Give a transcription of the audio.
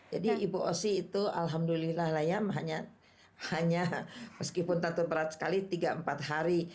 jadi ibu osi itu alhamdulillah layam hanya meskipun tantur berat sekali tiga empat hari